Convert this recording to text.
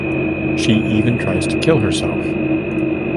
She even tries to kill herself.